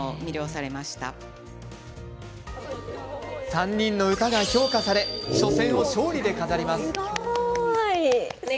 ３人の歌が評価され初戦を勝利で飾ります。